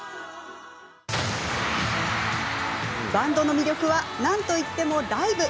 バンドの魅力はなんといってもライブ。